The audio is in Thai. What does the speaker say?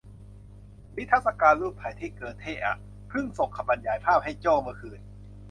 นิทรรศรูปถ่ายที่เกอเธ่อ่ะ เพิ่งส่งคำบรรยายภาพให้โจ้เมื่อคืน